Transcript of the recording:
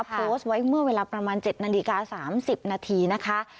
โพสต์ไว้เมื่อเวลาประมาณ๗นาฬิกา๓๐นาทีนะคะ